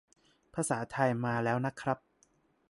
ภาษาไทยมาแล้วนะครับ